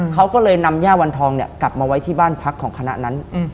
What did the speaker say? เขาก็เลยนำย่าวันทองเนี่ยกลับมาไว้ที่บ้านพักของคณะนั้น